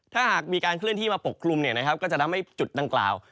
ถ้าหากมีการเคลื่อนที่มาปกคลุมก็จะทำให้จุดดังกล่าว